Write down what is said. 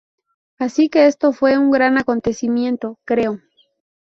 Así que esto fue un gran acontecimiento, creo".